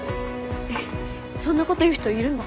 えっそんなこと言う人いるんだ。